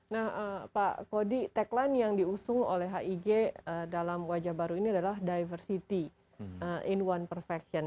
nah pak kody tagline yang diusung oleh hig dalam wajah baru ini adalah diversity in one perfection